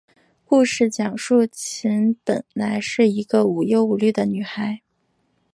故事讲述琴本来是一个无忧无虑的女孩。